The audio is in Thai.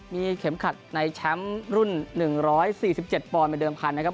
มีเข็มขัดในแชมป์รุ่นหนึ่งร้อยสี่สิบเจ็ดปอนด์เป็นเดิมคันนะครับ